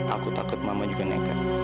aku takut mama juga nekat